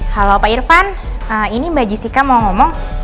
halo pak irfan ini mbak jessica mau ngomong